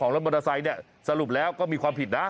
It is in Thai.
รถมอเตอร์ไซค์เนี่ยสรุปแล้วก็มีความผิดนะ